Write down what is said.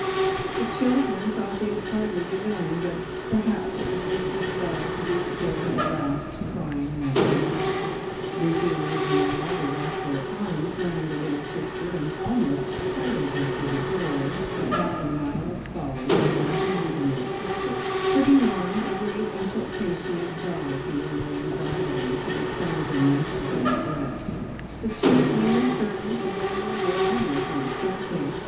The children thought they had hardly begun; but perhaps it was just as well to be spared the last trying moments. Bridgie and Esmeralda wrapped their arms round the little sister and almost carried her to the door; Pat and Miles followed with their hands in their pockets, putting on a great affectation of jollity in their anxiety to disguise a natural regret; the two women servants wailed loudly from the staircase.